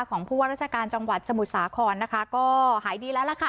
ของผู้ว่าราชการจังหวัดสมุทรสาครนะคะก็หายดีแล้วล่ะค่ะ